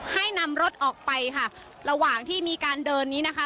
ให้นำรถออกไปค่ะระหว่างที่มีการเดินนี้นะคะ